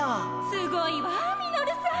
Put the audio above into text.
すごいわミノルさん。